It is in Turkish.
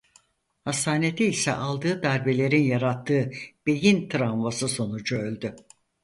Hastanede ise aldığı darbelerin yarattığı beyin travması sonucu öldü.